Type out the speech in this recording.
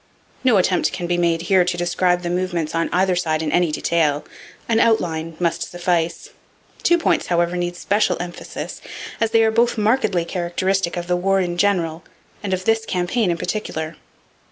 No attempt can be made here to describe the movements on either side in any detail. An outline must suffice. Two points, however, need special emphasis, as they are both markedly characteristic of the war in general and of this campaign in particular.